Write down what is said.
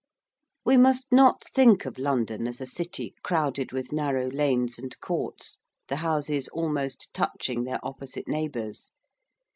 We must not think of London as a city crowded with narrow lanes and courts, the houses almost touching their opposite neighbours.